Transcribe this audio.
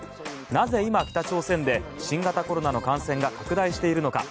なぜ今、北朝鮮で新型コロナの感染が拡大しているのか。